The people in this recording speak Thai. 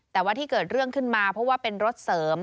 แต่ว่าที่เกิดเรื่องขึ้นมาเพราะว่าเป็นรถเสริม